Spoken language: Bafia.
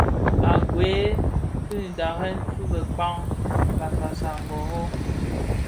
A gwei fyi dharen dhi bekpag Bassassa ngõrrõ .